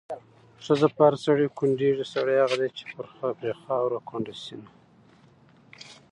ښځه په هر سړي کونډېږي، سړی هغه دی چې پرې خاوره کونډه شېنه